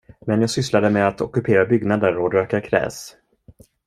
Men jag sysslade med att ockupera byggnader och röka gräs